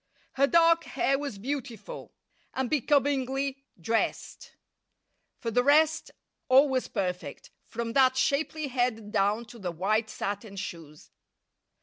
Her dark hair was beautiful, and becomingly dressed. For the rest, all was perfect, from that shapely head down to the white satin shoes.